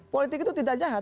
politik itu tidak jahat